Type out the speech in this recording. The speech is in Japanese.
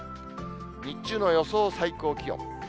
日中の予想最高気温。